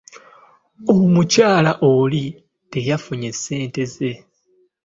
Omukyala oli teyafunye ssente ze.